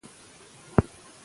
د بنسټونو مالي تصمیمونه مهم دي.